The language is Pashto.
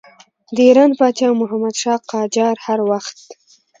د ایران پاچا محمدشاه قاجار هر وخت.